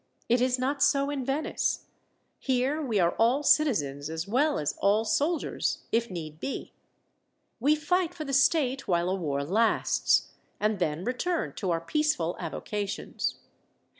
It is not so in Venice. Here we are all citizens as well as all soldiers if need be. We fight for the state while a war lasts, and then return to our peaceful avocations.